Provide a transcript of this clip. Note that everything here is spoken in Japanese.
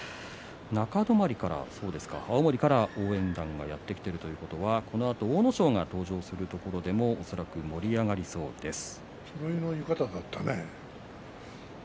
中泊から、青森から応援団がやってきているということは、このあと阿武咲が登場するところでも恐らく盛り上がりそうです。